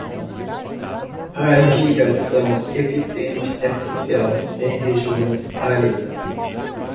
A irrigação eficiente é crucial em regiões áridas.